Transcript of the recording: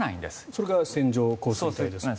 それが線状降水帯と。